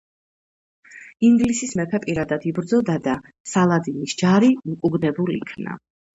ინგლისის მეფე პირადად იბრძოდა და სალადინის ჯარი უკუგდებულ იქნა.